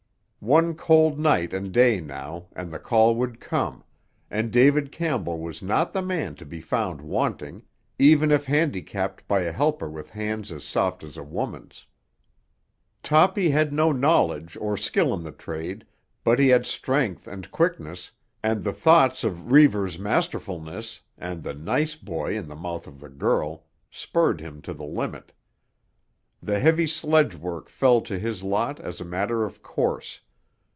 One cold night and day now, and the call would come, and David Campbell was not the man to be found wanting—even if handicapped by a helper with hands as soft as a woman's. Toppy had no knowledge or skill in the trade, but he had strength and quickness, and the thoughts of Reivers' masterfulness, and the "nice boy" in the mouth of the girl, spurred him to the limit. The heavy sledgework fell to his lot as a matter of course.